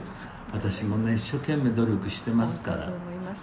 「私もね一生懸命努力してますから」